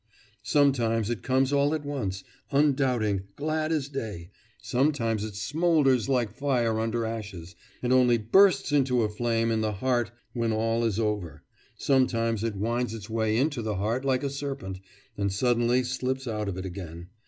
Sometimes it comes all at once, undoubting, glad as day; sometimes it smoulders like fire under ashes, and only bursts into a flame in the heart when all is over; sometimes it winds its way into the heart like a serpent, and suddenly slips out of it again....